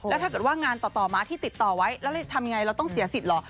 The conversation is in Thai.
แล้วถ้าเกิดว่างานต่อมาที่ติดต่อไว้แล้วทำไงเราต้องเสียสิทธิ์เหรอ